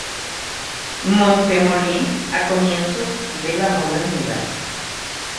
Montemolín a comienzos de la modernidad.